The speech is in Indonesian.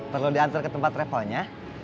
perlu diantar ke tempat travelnya